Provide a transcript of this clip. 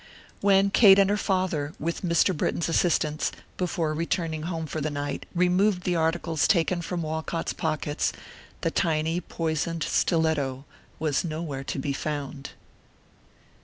When Kate and her father, with Mr. Britton's assistance, before returning home for the night, removed the articles taken from Walcott's pockets, the tiny, poisoned stiletto was nowhere to be found.